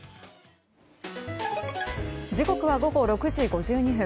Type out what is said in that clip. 時刻は午後６時５２分。